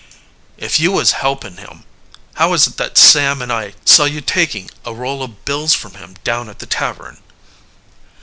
"If you was helping him, how is it that Sam and I saw you taking a roll of bills from him down at the tavern?"